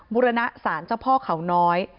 บุรณสารเจ้าพ่อเขาน้อย